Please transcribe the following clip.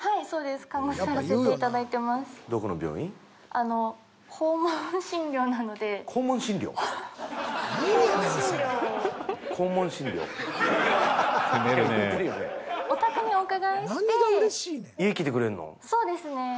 そうですね。